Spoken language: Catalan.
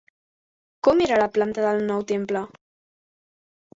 Com era la planta del nou temple?